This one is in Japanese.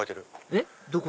えっどこ？